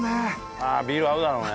ああビール合うだろうね。